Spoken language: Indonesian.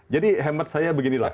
jadi hemat saya beginilah